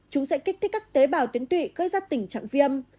chúng sẽ kích thích các tế bào tuyến tụy gây ra tình trạng viêm